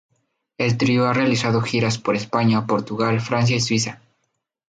El trío ha realizado giras por España, Portugal, Francia y Suiza.